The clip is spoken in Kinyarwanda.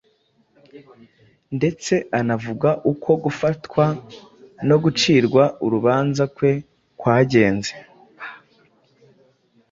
ndetse anavuga uko gufatwa no gucirwa urubanza kwe kwagenze.